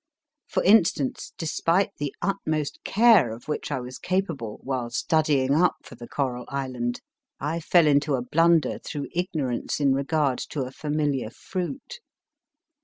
For instance, despite the utmost care of which I was capable while studying up for the Coral Island, I fell into a blunder through ignorance in regard to a familiar fruit.